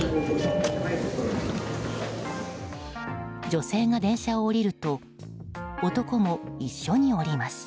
女性が電車を降りると男も一緒に降ります。